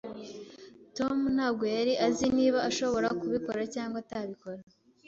Tom ntabwo yari azi niba ashobora kubikora cyangwa kutabikora.